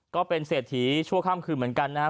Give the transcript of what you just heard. ก็เป็นเศรษฐีชั่วค่ำคืนเหมือนกันนะฮะ